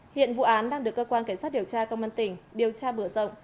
hiện vụ án đang được cơ quan cảnh sát điều tra công an tỉnh điều tra mở rộng